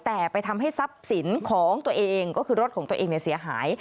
แต่ไปทำให้ทรัพย์สินของตัวเองก็คือรถของตัวเองเสียหาย